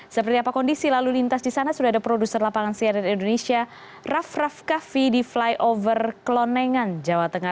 seperti apa kondisi lalu lintas di sana sudah ada produser lapangan cnn indonesia raff raff kaffi di flyover kelonengan jawa tengah